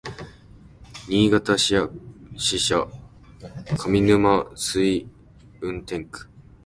新潟支社上沼垂運転区